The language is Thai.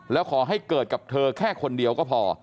แล้วขอให้เกิดกับเธอแค่คนเดียวก็พอ